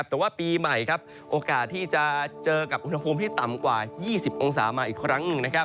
แต่ว่าปีใหม่โอกาสที่จะเจอกับอุณหภูมิที่ต่ำกว่า๒๐องศามาอีกครั้งหนึ่ง